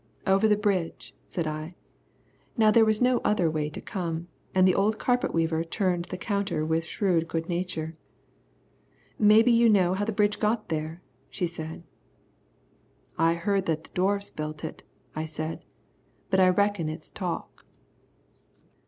"Over the bridge," said I. Now there was no other way to come, and the old carpet weaver turned the counter with shrewd good nature. "Maybe you know how the bridge got there," she said. "I've heard that the Dwarfs built it," said I, "but I reckon it's talk."